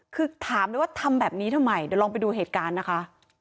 คือถามเลยว่าทำแบบนี้ทำไมเดี๋ยวลองไปดูเหตุการณ์นะคะ